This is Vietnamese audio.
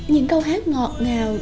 những câu hát ngọt ngào